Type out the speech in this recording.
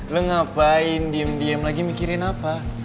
lo ngapain diem diem lagi mikirin apa